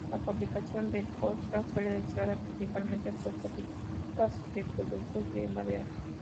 La fabricación del Horsa fue realizada principalmente por fábricas de productos de madera.